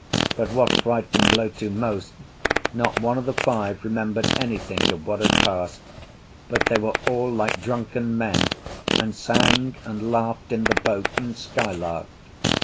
But, what frightened Lotu most, not one of the five remembered anything of what had passed, but they were all like drunken men, and sang and laughed in the boat, and skylarked.